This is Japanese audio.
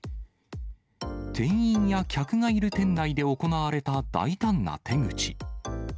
店員や客がいる店内で行われた大胆な手口。